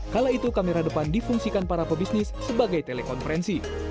kala itu kamera depan difungsikan para pebisnis sebagai telekonferensi